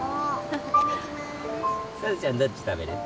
さとちゃんどっち食べる？